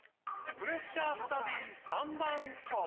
プレッシャースタディ３番勝負。